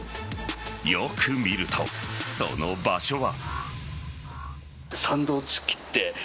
よく見ると、その場所は。